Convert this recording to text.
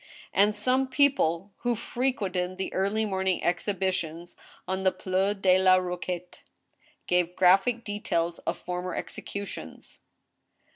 And some people, who frequented the early morning exhibitions on the Place de la Roquette, gave graphic details of former execu tions.